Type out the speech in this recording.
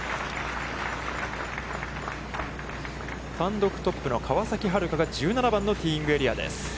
単独トップの川崎春花が１７番のティーイングエリアです。